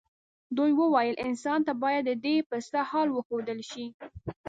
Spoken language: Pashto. دوی وویل انسان ته باید ددې پسه حال وښودل شي.